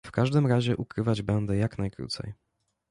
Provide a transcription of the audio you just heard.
"W każdym razie ukrywać będę jak najkrócej."